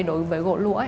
đối với gỗ lũa